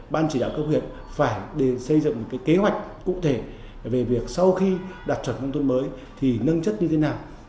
ban chỉ đạo cấp huyện phải để xây dựng một kế hoạch cụ thể về việc sau khi đạt chuẩn nông thôn mới thì nâng chất như thế nào